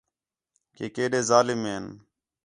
کہ کِیݙے ظالم ہِن